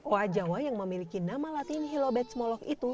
oa jawa yang memiliki nama latin hilobetsmolok itu